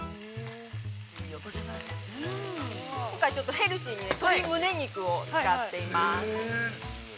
◆ヘルシーに鶏むね肉を使っています。